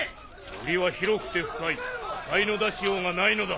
森は広くて深い使いの出しようがないのだ。